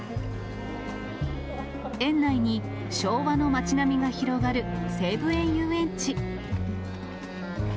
園内に昭和の街並みが広がる西武園ゆうえんち。